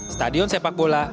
stadion sepak bola